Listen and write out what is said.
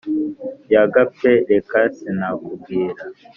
yagapfe, reka sinakubwira